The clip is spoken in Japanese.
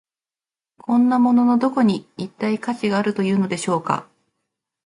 こんなもののどこに、一体価値があるというのでしょうか。